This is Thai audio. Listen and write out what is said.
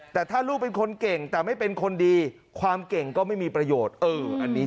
แต่ถ้าลูกเป็นคนเก่งแต่ไม่เป็นคนดีความเก่งก็ไม่มีประโยชน์